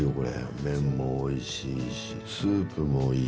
麺もおいしいし、スープもいい。